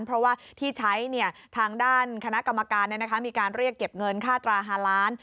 เพราะว่าที่ใช้ทางด้านคณะกรรมการมีการเรียกเก็บเงินค่าตรา๕ล้าน